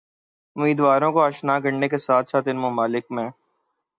امیدواروں کو آشنا کرنے کے ساتھ ساتھ ان ممالک میں